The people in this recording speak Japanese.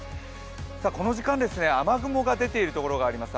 この時間、雨雲が出ている所があります。